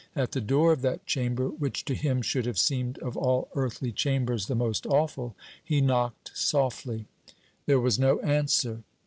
At the door of that chamber which to him should have seemed of all earthly chambers the most awful, he knocked softly. There was no answer.